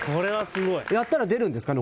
やったら出るんですかね？